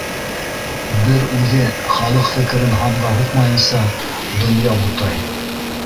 Бер үҙе, халыҡ фекерен һанға һуҡмайынса, донъя бутай